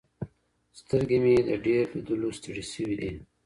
سترګې مې له ډیر لیدلو ستړې سوې دي.